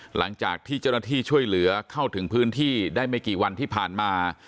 หลังจากที่เจ้าหน้าที่ช่วยเหลือเข้าถึงพื้นที่ได้ไม่กี่วันที่ผ่านมา